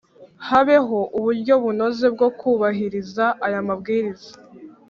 habeho uburyo bunoze bwo kubahiriza aya mabwiriza